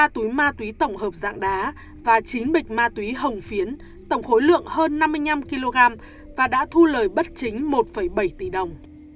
ba túi ma túy tổng hợp dạng đá và chín bịch ma túy hồng phiến tổng khối lượng hơn năm mươi năm kg và đã thu lời bất chính một bảy tỷ đồng